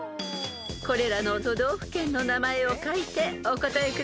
［これらの都道府県の名前を書いてお答えください］